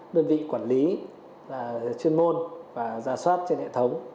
đơn vị quản lý chuyên môn và gia soát trên hệ thống